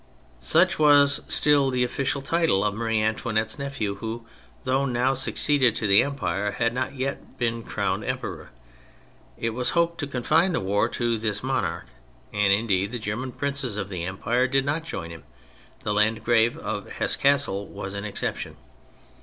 Such was still the official title of Marie Antoinette's nephew, who, though now suc ceeded to the empire, had not yet been crowned emperor. It was hoped to confine the war to this monarch, and, indeed, the German princes of the empire did not join him (the Landgrave of Hesse Cassel was an exception).